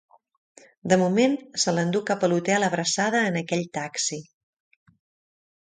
De moment, se l'endú cap a l'hotel Abraçada en aquell taxi.